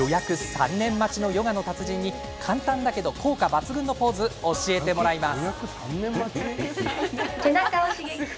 ３年待ちのヨガの達人に簡単だけど効果抜群のポーズを教えてもらいます。